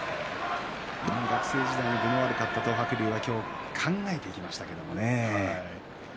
学生時代分が悪かった東白龍が今日は考えていきましたね。